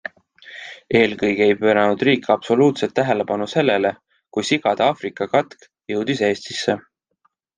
Eelkõige ei pööranud riik absoluutselt tähelepanu sellele, kui sigade Aafrika katk jõudis Eestisse.